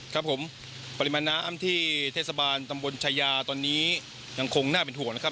ครับผมปริมาณน้ำที่เทศบาลตำบลชายาตอนนี้ยังคงน่าเป็นห่วงนะครับ